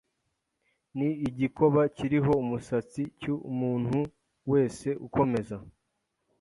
N igikoba kiriho umusatsi cy umuntu wese ukomeza